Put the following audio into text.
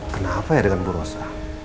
kenapa ya dengan bu rosa